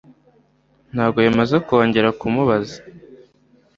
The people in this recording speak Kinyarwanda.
ntabwo bimaze kongera kumubaza